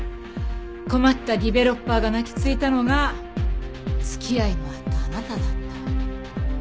困ったディベロッパーが泣きついたのが付き合いのあったあなただった。